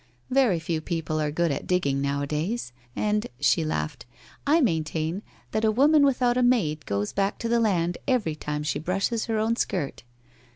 Very few people are good at dig ging, nowadays. And —' she laughed, ' I maintain that a woman without a maid goes back to the land every time she brushes her own skirt.